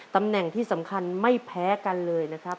ตำแหน่งที่สำคัญไม่แพ้กันเลยนะครับ